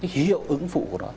hiệu ứng phụ của nó